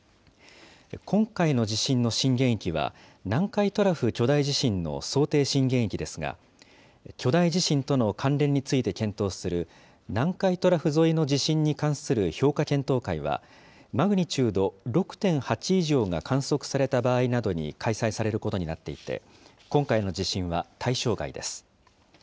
今回の地震の震源域は、南海トラフ巨大地震の想定震源域ですが、巨大地震との関連について検討する南海トラフ沿いの地震に関する評価検討会は、マグニチュード６．８以上が観測された場合などに開催されることになっていて、今回の地震は対象外です。